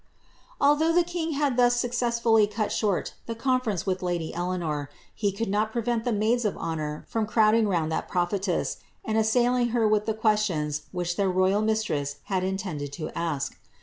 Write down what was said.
Although the king had thus successfully cut short the conference with lady Eleanor, he could not prevent the maiils of honour from crowding round that prophetess, and assailing her with the questions which their royal mistress had intended to ask.